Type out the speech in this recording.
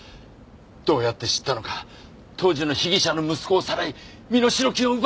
どうやって知ったのか当時の被疑者の息子をさらい身代金を奪ったんだ。